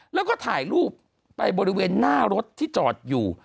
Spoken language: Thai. แล้วก็ถ่ายรูปไปบริเวณหน้ารถที่จอดอยู่